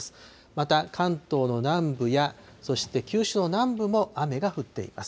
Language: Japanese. また関東の南部や、そして九州の南部も雨が降っています。